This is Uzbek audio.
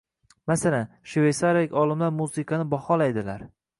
Masalan, shveysariyalik olimlar musiqani baholaydilar